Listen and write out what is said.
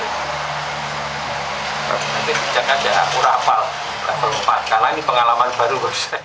nanti dijakat jakat aku rapal level empat karena ini pengalaman baru